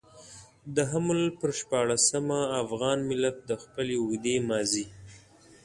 د حمل پر شپاړلسمه افغان ملت د خپلې اوږدې ماضي.